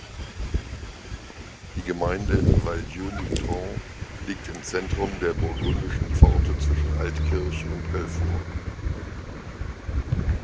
Die Gemeinde Valdieu-Lutran liegt im Zentrum der Burgundischen Pforte zwischen Altkirch und Belfort.